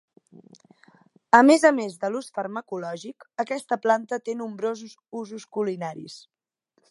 A més a més de l'ús farmacològic aquesta planta té nombrosos usos culinaris.